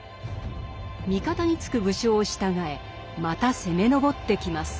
味方につく武将を従えまた攻め上ってきます。